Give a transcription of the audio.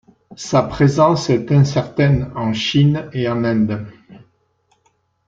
Sa présence est incertaine en Chine et en Inde.